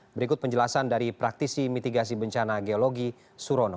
berikut penjelasan dari praktisi mitigasi bencana geologi surono